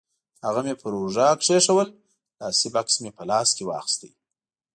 هغه مې پر اوږه کېښوول، لاسي بکس مې په لاس کې واخیست.